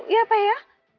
iya pak ya